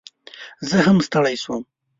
زه هم ستړي شوم